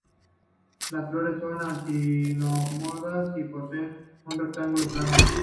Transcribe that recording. Las flores son actinomorfas y poseen un receptáculo plano.